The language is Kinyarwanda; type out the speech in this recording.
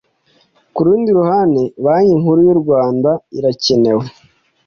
Ku rundi ruhande Banki Nkuru y u Rwanda irakenewe